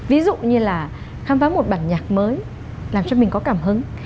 ví dụ như là khám phá một bản nhạc mới làm cho mình có cảm hứng